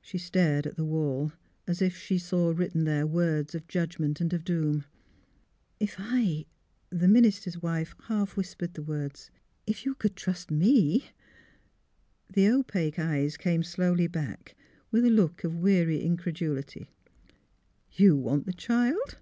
She stared at the wall, as if she saw written there words of judgment and of doom. 288 THE HEAET OF PHILURA '' If I —" the minister's wife half whispered the words —^' if you could trust me " The opaque eyes came slowly back, with a look of weary incredulity. '' You want the child?